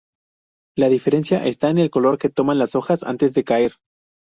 La diferencia está en el color que toman las hojas antes de caer.